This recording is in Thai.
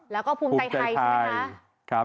แล้วก็ภูมิใจไทยใช่ไหมคะ